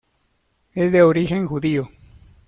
Es de origen judío.